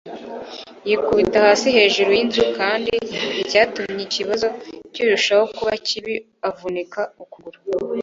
yikubita hasi hejuru yinzu, kandi icyatumye ikibazo kirushaho kuba bibi, avunika ukuguru